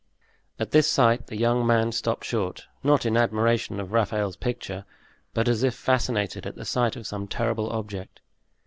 At this sight the young man stopped short, not in admiration of Raphael's picture, but as if fascinated at the sight of some terrible object.